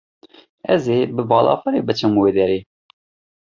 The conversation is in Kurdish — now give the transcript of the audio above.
Ez ê bi balafirê biçim wê derê.